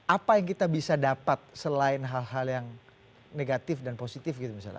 apa yang kita bisa dapat selain hal hal yang negatif dan positif gitu misalnya